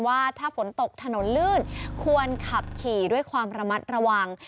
ว่าถ้าฝนตกถนนลื่นควรขับขี่ด้วยความระมัดระวัง